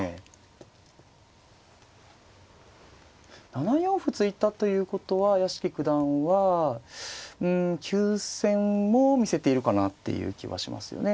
７四歩突いたということは屋敷九段は急戦も見せているかなっていう気はしますよね。